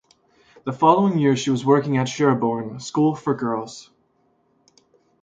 The following year she was working at Sherborne School for Girls.